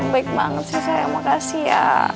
baik banget sih saya makasih ya